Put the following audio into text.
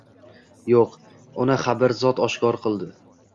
Yo‘q – uni Xabir Zot oshkor qildi.